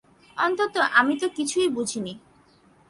অন্তত, আমি তো কিছুই বুঝি নি।